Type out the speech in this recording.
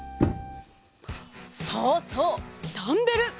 そうそうダンベル！